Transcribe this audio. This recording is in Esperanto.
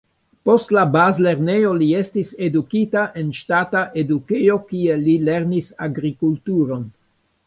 Post la bazlernejo li estis edukita en ŝtata edukejo, kie li lernis agrikulturon.